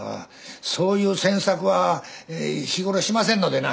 そういう詮索は日ごろしませんのでな